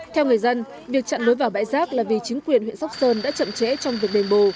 theo người dân việc chặn lối vào bãi rác là vì chính quyền huyện sóc sơn đã chậm trễ trong việc đền bù